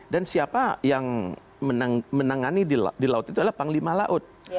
dan siapa yang menangani di laut itu adalah panglima laut